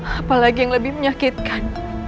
apalagi yang lebih menyakitkan